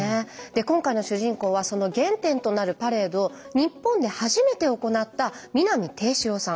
今回の主人公はその原点となるパレードを日本で初めて行った南定四郎さん。